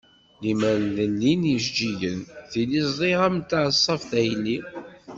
Limer di llin yijeǧǧigen tili ẓdiɣ-am-d taɛeṣṣabt a yelli.